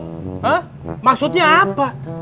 hah maksudnya apa